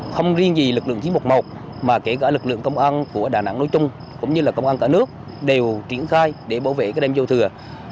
không riêng gì lực lượng chín trăm một mươi một mà kể cả lực lượng công an của đà nẵng nói chung cũng như là công an cả nước đều triển khai để bảo vệ cái đêm châu thừa